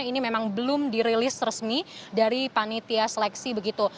ini memang belum dirilis resmi dari panitia seleksi begitu